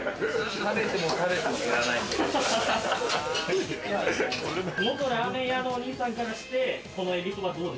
食べても食べても減らないんで。